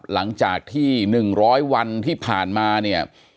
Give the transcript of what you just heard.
หลังจากที่๑๐๐วันที่ผ่านมาเนี่ย